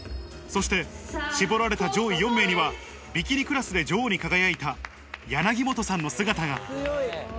そして絞られた上位４名には、ビキニクラスで女王に輝いた柳本さんの姿が。